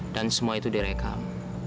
dan semua itu direkam